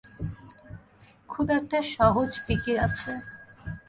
খুব একটা সহজ ফিকির আছে।